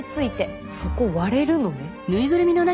そこ割れるのね。